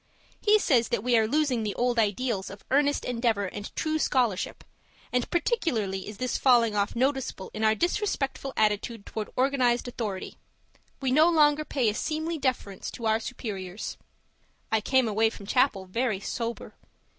He says that we are losing the old ideals of earnest endeavour and true scholarship; and particularly is this falling off noticeable in our disrespectful attitude towards organized authority. We no longer pay a seemly deference to our superiors. I came away from chapel very sober.